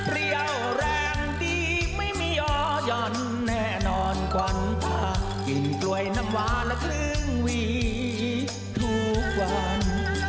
เรี่ยวแรงดีไม่มีออย่อนแน่นอนกวางพากินกล้วยน้ำวาละครึ่งหวีทุกวัน